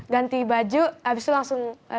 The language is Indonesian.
ganti baju habis itu langsung